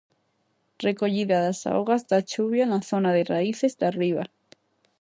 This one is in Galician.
Recollida das augas da chuvia na zona de raíces de arriba.